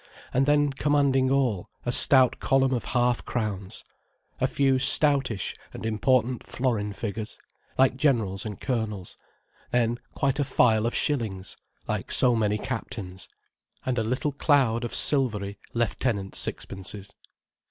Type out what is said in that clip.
And commanding all, a stout column of half crowns, a few stoutish and important florin figures, like general and colonels, then quite a file of shillings, like so many captains, and a little cloud of silvery lieutenant sixpences.